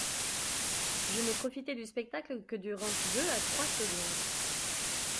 Je n’ai profité du spectacle que durant deux à trois secondes.